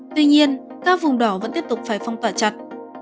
tuy nhiên các vùng đỏ vẫn tiếp tục phải phong tỏa chặt